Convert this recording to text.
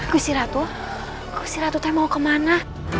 gusiratu gusiratu tuh mau kemana